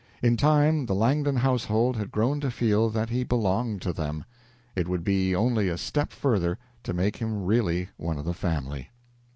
In time the Langdon household had grown to feel that he belonged to them. It would be only a step further to make him really one of the family.